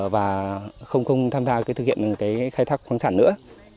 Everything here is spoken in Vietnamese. và không tham gia thực hiện khai thác quán sản nữa